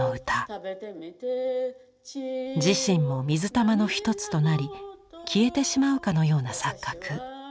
自身も水玉の一つとなり消えてしまうかのような錯覚。